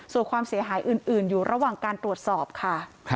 ส่วนความเสียหายอื่นอยู่ระหว่างการตรวจสอบค่ะ